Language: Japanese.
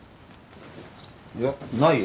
いやないよ。